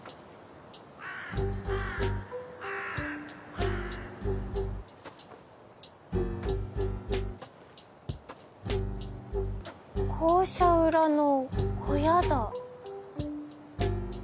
はぁ校舎裏の小屋だ。